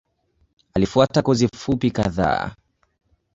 Alifuata kozi fupi kadhaa.